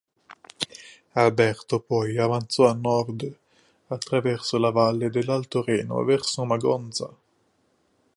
Alberto poi avanzò a nord attraverso la valle dell'Alto Reno verso Magonza.